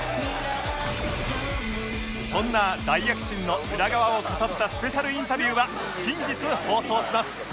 そんな大躍進の裏側を語ったスペシャルインタビューは近日放送します